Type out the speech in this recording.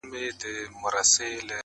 په شاعرۍ کي رياضت غواړمه,